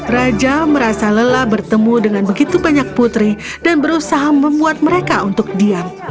raja merasa lelah bertemu dengan begitu banyak putri dan berusaha membuat mereka untuk diam